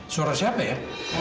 suara siapa ya